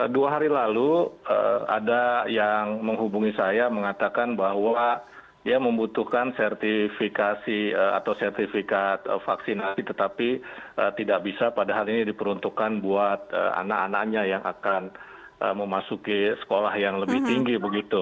dua hari lalu ada yang menghubungi saya mengatakan bahwa dia membutuhkan sertifikasi atau sertifikat vaksinasi tetapi tidak bisa padahal ini diperuntukkan buat anak anaknya yang akan memasuki sekolah yang lebih tinggi begitu